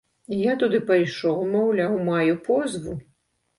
Я туды пайшоў, маўляў маю позву.